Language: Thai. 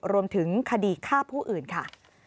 รวมถึงคดีฆ่าผู้อื่นค่ะ